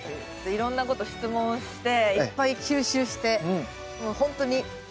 いろんなこと質問していっぱい吸収してもうほんとにいつか家で育てるように。